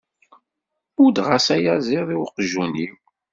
Muddeɣ-as ayaziḍ i uqjun-iw.